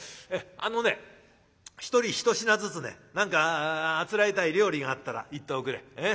あのね一人一品ずつね何かあつらえたい料理があったら言っておくれ。